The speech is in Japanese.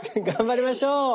頑張りましょう！